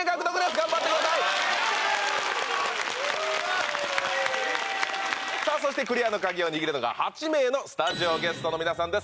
頑張ってくださいさあそしてクリアの鍵を握るのが８名のスタジオゲストの皆さんです